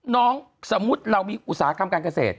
สมมุติเรามีอุตสาหกรรมการเกษตร